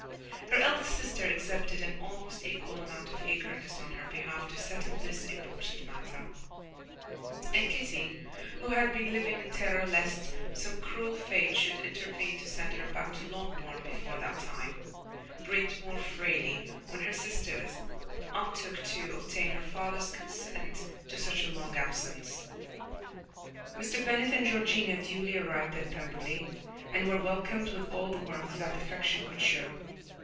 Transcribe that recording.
Her eldest sister exhibited an almost equal amount of eagerness on her behalf to settle this important matter; and Kitty, who had been living in terror lest some cruel fate should intervene to send her back to Longbourn before that time, breathed more freely when her sisters undertook to obtain her father's consent to such a long absence. Mr. Bennet and Georgiana duly arrived at Pemberley, and were welcomed with all the warmth that affection could show.